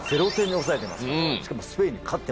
しかも。